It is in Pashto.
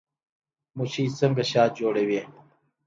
مچۍ څنګه شات جوړوي؟